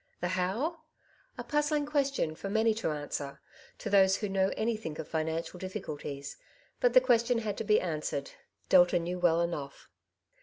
The how ? A puzzling question for many to an swer, to those who know anything of financial difficulties — but the question had to be answered. Delta knew well enough.